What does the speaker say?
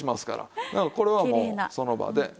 だからこれはもうその場で。